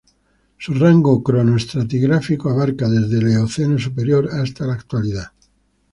Su rango cronoestratigráfico abarca desde el Eoceno superior hasta la Actualidad.